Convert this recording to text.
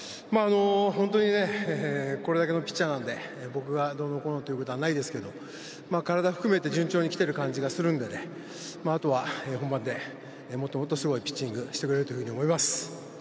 本当にこれだけのピッチャーなので僕がどうのこうのということはないですけど、体を含めて順調に来ている感じがするのであとは本番でもっともっとすごいピッチングをしてくれると思います。